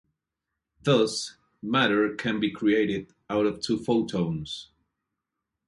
Thus, matter can be created out of two photons.